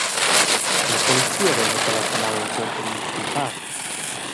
La polizia haveva telefonau il suentermiezdi tard.